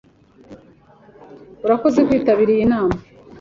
Urakoze kwitabira iyi nama.